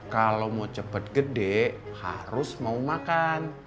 kalau mau cepat gede harus mau makan